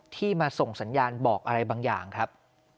ที่มาส่งสัญญาณบอกอะไรบางอย่างครับ